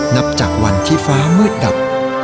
นับจากวันที่ฟ้ามืดดับ